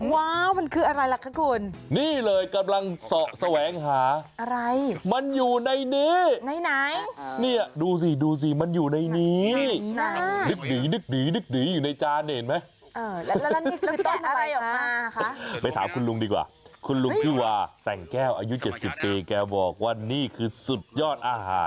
ว้าวมันคืออะไรล่ะคะคุณ